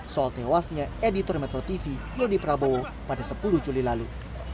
soal tewasnya editor metro tv yodi prabowo pada sepuluh juli lalu